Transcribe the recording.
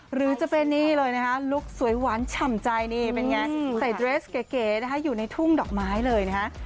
หรือจะเป็นนี่เลยนะฮะลุคสวยหวานฉ่ำใจนี่เป็นไงใส่เดรสเก๋นะคะอยู่ในทุ่งดอกไม้เลยนะฮะ